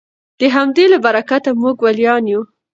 د همدې له برکته موږ ولیان یو